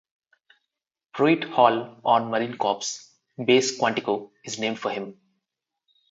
Pruitt Hall on Marine Corps Base Quantico is named for him.